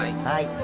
はい。